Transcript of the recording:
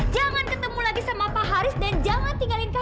jangan ketemu lagi sama pak haris dan jangan tinggalin